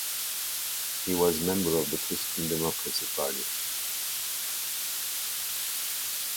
He was member of the Christian Democracy Party.